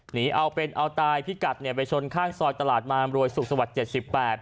หนีเอาเป็นเอาตายพิกัดเนี่ยไปชนข้างซอยตลาดมามรวยสุขสวัสดิ์เจ็ดสิบแปด